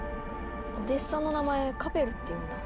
お弟子さんの名前カペルっていうんだ。